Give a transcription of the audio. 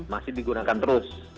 masih digunakan terus